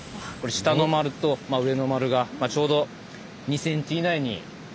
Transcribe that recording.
下の丸と上の丸がちょうど２ｃｍ以内に収まると。